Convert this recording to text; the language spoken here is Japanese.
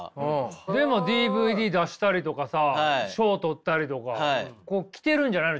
でもＤＶＤ出したりとかさ賞取ったりとかこう来てるんじゃないの？